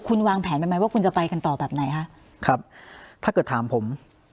คุณวางแผนไปไหมว่าคุณจะไปกันต่อแบบไหนฮะครับถ้าเกิดถามผม